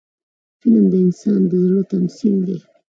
فلم د انسان د زړه تمثیل دی